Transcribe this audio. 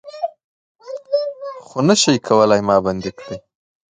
خو نه شئ کولای ما بندۍ کړي